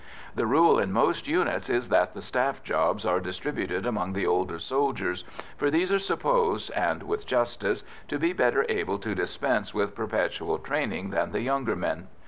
The rule in most units is that the staff jobs are distributed among the older soldiers, for these are supposed, and with justice, to be better able to dispense with perpetual training than the younger men.